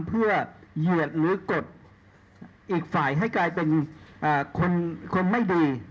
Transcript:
เพื่อเหยียดหรือกดอีกฝ่ายให้กลายเป็นคนไม่ดี